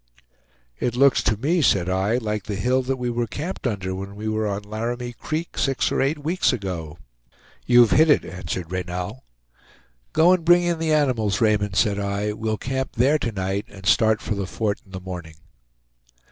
"It looks to me," said I, "like the hill that we were camped under when we were on Laramie Creek, six or eight weeks ago." "You've hit it," answered Reynal. "Go and bring in the animals, Raymond," said I: "we'll camp there to night, and start for the Fort in the morning."